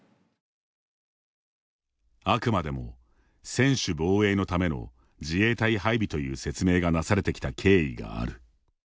あくまでも専守防衛のための自衛隊配備という説明がなされてきた経緯がある。